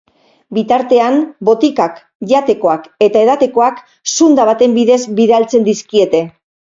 Bitartean, botikak, jatekoak eta edatekoak zunda baten bidez bidaltzen dizkiete.